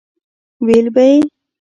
ويل به يې